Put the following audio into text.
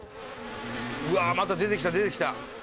うわまた出て来た出て来た。